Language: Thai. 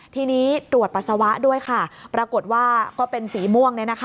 ทีนี้ตรวจปัสสาวะด้วยค่ะปรากฏว่าก็เป็นสีม่วง